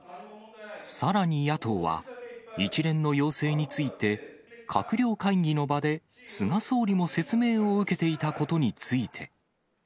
さらに野党は、一連の要請について、閣僚会議の場で、菅総理も説明を受けていたことについて。